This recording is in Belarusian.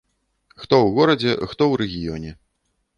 Хто ў горадзе, хто ў рэгіёне.